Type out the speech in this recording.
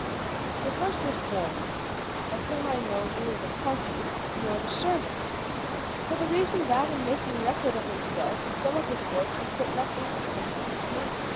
The first was Buono, of whom I know neither the country nor the surname, for the reason that in making record of himself in some of his works he put nothing but simply his name.